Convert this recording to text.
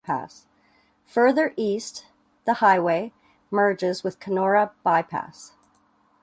Further east, the highway merges with the Kenora Bypass.